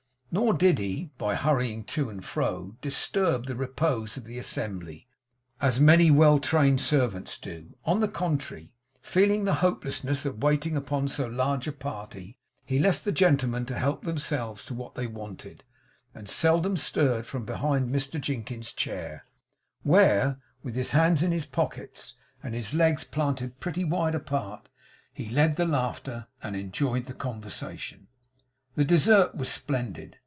Nor did he, by hurrying to and fro, disturb the repose of the assembly, as many well trained servants do; on the contrary, feeling the hopelessness of waiting upon so large a party, he left the gentlemen to help themselves to what they wanted, and seldom stirred from behind Mr Jinkins's chair, where, with his hands in his pockets, and his legs planted pretty wide apart, he led the laughter, and enjoyed the conversation. The dessert was splendid.